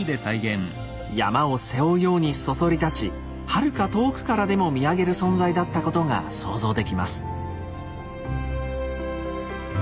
山を背負うようにそそり立ちはるか遠くからでも見上げる存在だったことが想像できます。